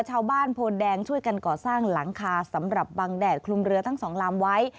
ชาวบ้านโพนแดงช่วยกันก่อสร้างหลังคาสำหรับบังแดดคลุมเรือทั้งสองลำไว้